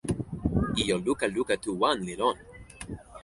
ijo luka luka tu wan li lon.